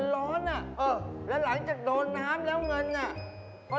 โฮโฮโฮโฮ